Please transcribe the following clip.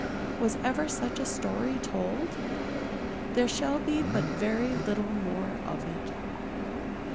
Was ever such a story told? There shall be but very little more of it.